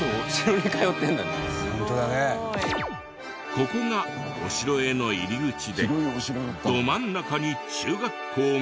ここがお城への入り口でど真ん中に中学校が。